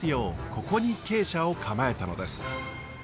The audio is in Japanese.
ここに鶏舎を構えたのです。